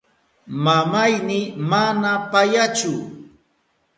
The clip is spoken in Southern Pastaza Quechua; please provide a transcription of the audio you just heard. Mamayni mana payachu.